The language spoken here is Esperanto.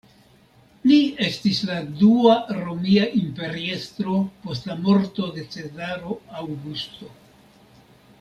Li estis la dua romia imperiestro post la morto de Cezaro Aŭgusto.